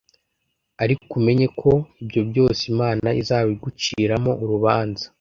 ariko umenye ko ibyo byose imana izabiguciramo urubanza